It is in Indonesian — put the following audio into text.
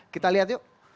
kita lihat yuk